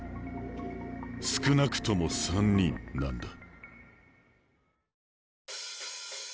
「少なくとも３人」なんだ。